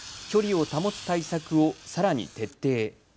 距離を保つ対策をさらに徹底。